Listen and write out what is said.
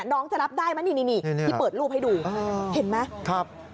น้องจะรับได้ไหมนี่ที่เปิดรูปให้ดูเห็นไหม